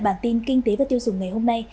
bản tin kinh tế và tiêu dùng ngày hôm nay